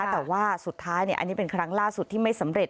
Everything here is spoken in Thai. แต่ว่าสุดท้ายอันนี้เป็นครั้งล่าสุดที่ไม่สำเร็จ